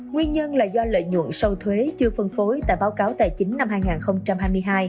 nguyên nhân là do lợi nhuận sau thuế chưa phân phối tại báo cáo tài chính năm hai nghìn hai mươi hai